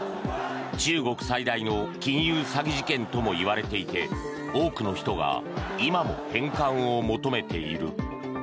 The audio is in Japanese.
中国最大の金融詐欺事件ともいわれていて多くの人が今も返還を求めている。